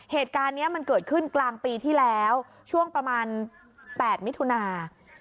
เหตุการณ์นี้มันเกิดขึ้นกลางปีที่แล้วช่วงประมาณ๘มิถุนา